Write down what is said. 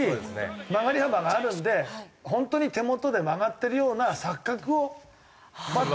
曲がり幅があるんで本当に手元で曲がってるような錯覚をバッターは起こす。